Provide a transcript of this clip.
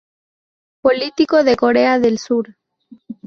Político de Corea del Sur.